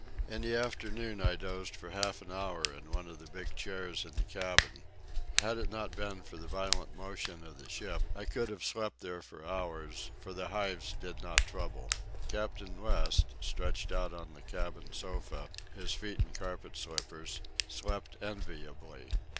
In the afternoon I dozed for half an hour in one of the big chairs in the cabin. Had it not been for the violent motion of the ship I could have slept there for hours, for the hives did not trouble. Captain West, stretched out on the cabin sofa, his feet in carpet slippers, slept enviably.